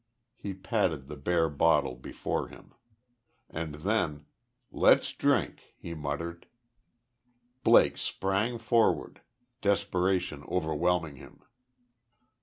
He patted the bare bottle before him. And then: "Let's drink," he muttered. Blake sprang forward, desperation overwhelming him.